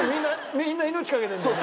みんな命懸けてるんだよね。